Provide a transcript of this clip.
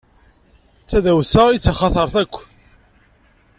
D tadawsa i d taxatart akk.